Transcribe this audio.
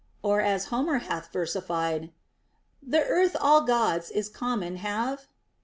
Or, as Homer hath versified, The eartli all Gods in common have ?